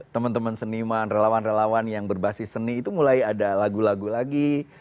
teman teman seniman relawan relawan yang berbasis seni itu mulai ada lagu lagu lagi